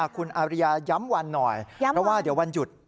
คุณอาริยาย้ำวันหน่อยเพราะว่าเดี๋ยววันหยุด